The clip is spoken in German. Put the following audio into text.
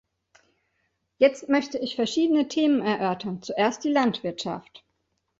Jetzt möchte ich verschiedene Themen erörtern, zuerst die Landwirtschaft.